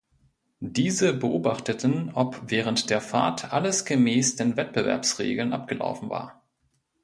Diese beobachteten, ob während der Fahrt alles gemäß den Wettbewerbsregeln abgelaufen war.